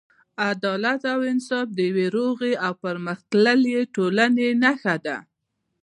عدالت او انصاف د یوې روغې او پرمختللې ټولنې نښه ده.